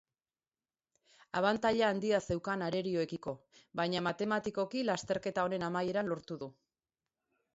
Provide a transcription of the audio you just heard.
Abantaila handia zeukan arerioekiko, baina matematikoki lasterketa honen amaieran lortu du.